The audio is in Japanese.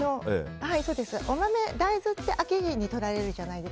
大豆って秋、冬にとられるじゃないですか。